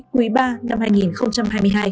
cuối ba năm hai nghìn hai mươi hai